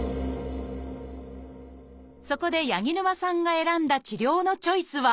そこで八木沼さんが選んだ治療のチョイスは？